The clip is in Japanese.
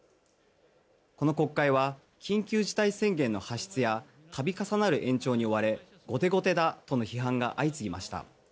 この国会は緊急事態宣言の発出や度重なる延長に追われ後手後手だとの批判が相次ぎました。